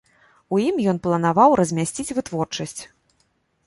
У ім ён планаваў размясціць вытворчасць.